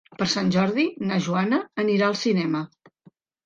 Per Sant Jordi na Joana anirà al cinema.